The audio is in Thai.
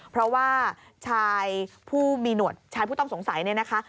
เพราะว่าชายผู้มีหนวดชายผู้ต้องสงสัยเนี่ยนะคะ